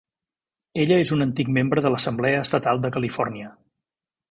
Ella és un antic membre de l'Assemblea estatal de Califòrnia.